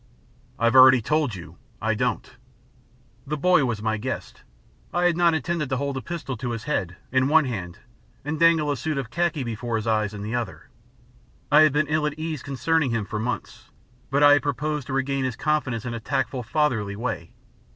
"I've already told you I don't." The boy was my guest. I had not intended to hold a pistol to his head in one hand and dangle a suit of khaki before his eyes in the other. I had been ill at ease concerning him for months, but I had proposed to regain his confidence in a tactful, fatherly way.